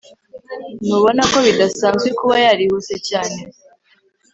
Ntubona ko bidasanzwe kuba yarihuse cyane